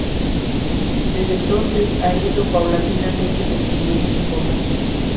Desde entonces ha ido paulatinamente descendiendo su población.